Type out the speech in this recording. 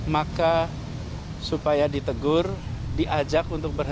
maka supaya ditegur diajak untuk berhenti